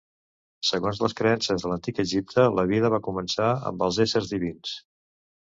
Segons les creences de l'Antic Egipte, la vida va començar amb els éssers divins.